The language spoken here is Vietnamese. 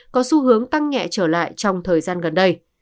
có xu hướng tăng nhẹ trở lại trong thời gian gần đây